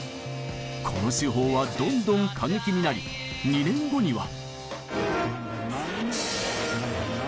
この手法はどんどん過激になり２年後には。